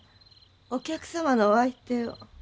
お客様のお相手を。